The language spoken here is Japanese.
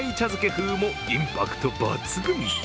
風もインパクト抜群。